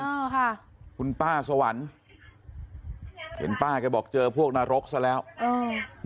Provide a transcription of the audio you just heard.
เออค่ะคุณป้าสวรรค์เห็นป้าแกบอกเจอพวกนรกซะแล้วอืม